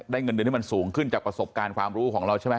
เงินเดือนที่มันสูงขึ้นจากประสบการณ์ความรู้ของเราใช่ไหม